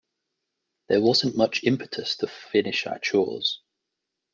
There wasn't much impetus to finish our chores.